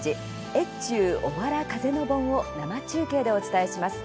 越中おわら風の盆を生中継でお伝えします。